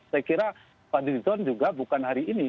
saya kira pak fadly lizon juga bukan hari ini